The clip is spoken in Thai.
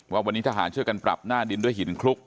ว่าวันนี้ทหารช่วยกันปรับหน้าดินด้วยหินคลุก